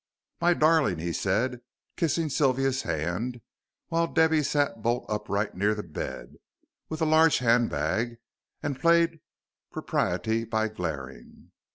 "My darling," he said, kissing Sylvia's hand, while Debby sat bolt upright near the bed, with a large handbag, and played propriety by glaring.